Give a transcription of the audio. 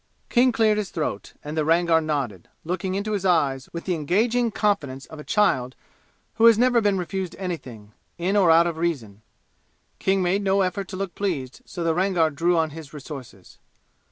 King cleared his throat, and the Rangar nodded, looking into his eyes with the engaging confidence of a child who never has been refused anything, in or out of reason. King made no effort to look pleased, so the Rangar drew on his resources.